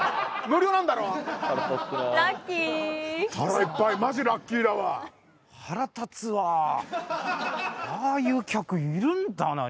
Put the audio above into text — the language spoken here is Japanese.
無料なんだろラッキー腹いっぱいマジラッキーだわ腹立つわああいう客いるんだな